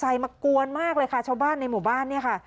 มากวนมากเลยค่ะชาวบ้านในหมู่บ้านเนี่ยค่ะ